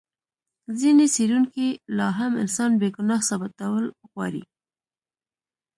ځینې څېړونکي لا هم انسان بې ګناه ثابتول غواړي.